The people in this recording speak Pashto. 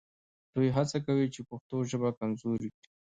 دوی هڅه کوي چې پښتو ژبه کمزورې کړي